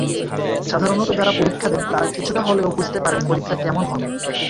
সাধারণত যাঁরা পরীক্ষা দেন, তাঁরা কিছুটা হলেও বুঝতে পারেন পরীক্ষা কেমন হলো।